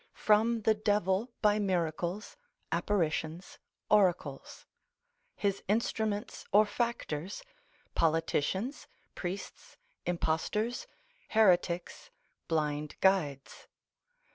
From the Devil by miracles, apparitions, oracles. His instruments or factors, politicians, Priests, Impostors, Heretics, blind guides.